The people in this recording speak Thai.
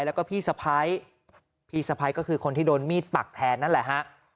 แล้วก็พี่สะพ้ายพี่สะพ้ายก็คือคนที่โดนมีดปักแทนนั่นแหละฮะ